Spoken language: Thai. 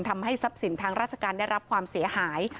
ทำให้ทรัพย์สินทางราชการได้รับความเสียหาย